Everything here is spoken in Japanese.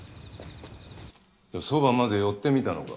そばまで寄ってみたのか。